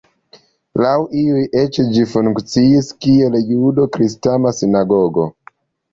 Laŭ iuj eĉ ĝi funkciis kiel judo-kristama sinagogo.